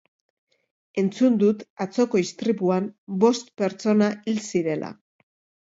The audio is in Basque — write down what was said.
Entzun dut atzoko istripuan bost pertsona hil zirela.